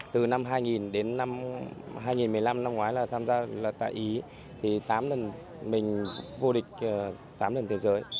từ năm hai nghìn đến hai nghìn một mươi năm năm ngoái là tham gia là tại ý thì tám lần mình vô địch tám lần thế giới